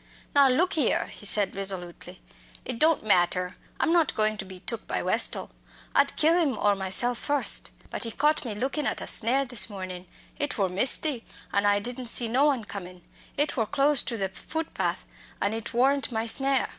"Now look here," he said resolutely, "it don't matter. I'm not goin' to be took by Westall. I'd kill him or myself first. But he caught me lookin' at a snare this mornin' it wor misty, and I didn't see no one comin'. It wor close to the footpath, and it worn't my snare."